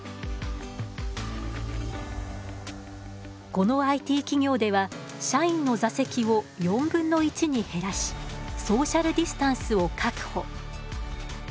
このＩＴ企業では社員の座席を４分の１に減らしソーシャルディスタンスを確保。